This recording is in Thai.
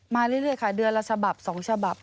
เรื่อยค่ะเดือนละฉบับ๒ฉบับ